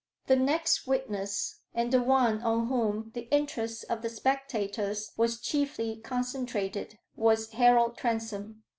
The next witness, and the one on whom the interest of the spectators was chiefly concentrated, was Harold Transome.